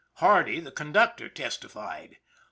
Hardy, the conductor, testified.